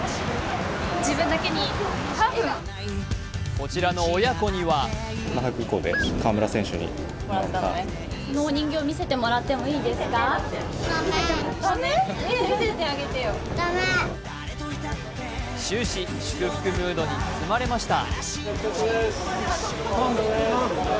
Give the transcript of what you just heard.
こちらの親子には終始、祝福ムードに包まれました。